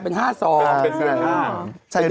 น้องเกิดพอดีด้วย